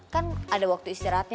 kan ada waktu istirahatnya